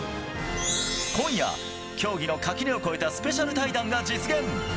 今夜、競技の垣根を越えたスペシャル対談が実現。